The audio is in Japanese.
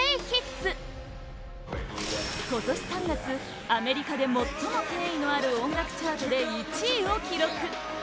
今年３月、アメリカで最も権威のある音楽チャートで１位を記録！